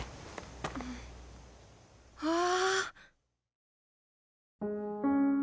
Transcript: ああ。